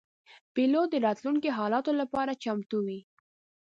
پیلوټ د راتلونکو حالاتو لپاره چمتو وي.